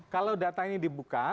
kalau data ini dibuka